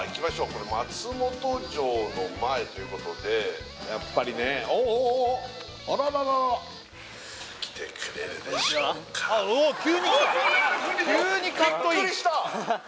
これ松本城の前ということでやっぱりね来てくれるでしょうか